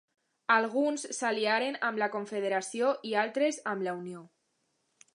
Alguns s'aliaren amb la Confederació i altres amb la Unió.